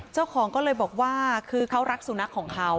เจ้าของก็เลยบอกว่าคือเขารักสุนัขของเขา